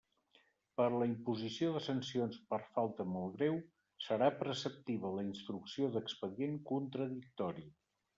Per a la imposició de sancions per falta molt greu serà preceptiva la instrucció d'expedient contradictori.